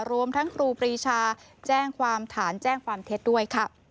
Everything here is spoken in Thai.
รวมทั้งครูปรีชาแจ้งความฐานแจ้งความเท็จด้วยค่ะ